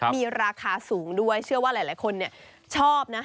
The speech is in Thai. มีราคาสูงด้วยเชื่อว่าหลายคนชอบนะ